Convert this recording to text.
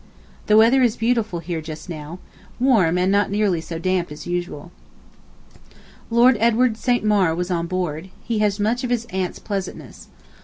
The weather is beautiful here just now—warm and not nearly so damp as usual. Lord Edward St. Maur was on board, he has much of his aunt's pleasantness.